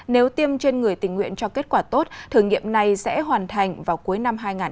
nếu tiêm trên người tình nguyện cho kết quả tốt thử nghiệm này sẽ hoàn thành vào cuối năm hai nghìn hai mươi một là cơ sở để việt nam